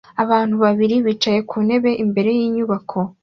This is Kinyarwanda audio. Abantu babiri bicaye ku ntebe imbere yinyubako